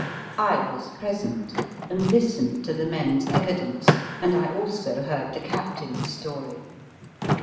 I was present, and listened to the men s evidence, and I also heard the captain s story.